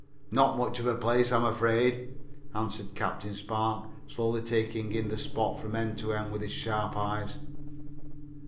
"Not much of a place, I am afraid," answered Captain Spark, slowly taking in the spot from end to end with his sharp eyes.